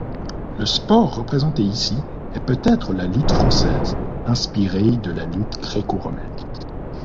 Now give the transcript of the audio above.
Le sport représenté ici est peut-être la lutte française, inspirée de la lutte gréco-romaine.